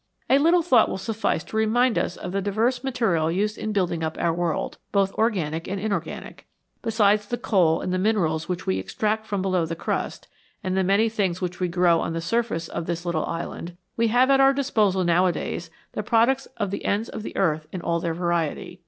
A little thought will suffice to remind us of the diverse material used in building up our world, both organic and inorganic. Besides the coal and the minerals which we extract from below the crust, and the many things which we grow on the surface of this little island, we have at our disposal nowadays the products of the ends of the earth in all their variety.